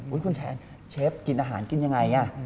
คุณแทนเชฟกินอาหารกินยังไง